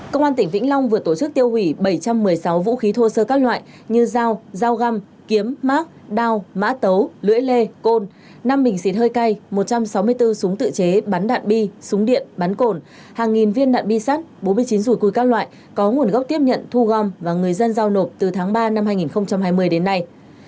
công an tỉnh vĩnh long vừa tổ chức tiêu hủy bảy trăm một mươi sáu vũ khí thô sơ các loại như dao dao găm kiếm mác đao mã tấu lưỡi lê côn năm bình xịt hơi cay một trăm sáu mươi bốn súng tự chế bắn đạn bi súng điện bắn cồn hàng nghìn viên đạn bi sắt bốn mươi chín rủi cùi các loại có nguồn gốc tiếp nhận thu gom và người dân dao nộp từ tháng ba năm hai nghìn hai mươi đến nay